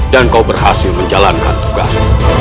dan kau berhasil menjalankan tugas